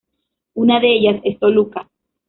Una de ellas es Toluca.